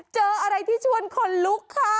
เจออะไรที่ชวนคนลุกค่ะ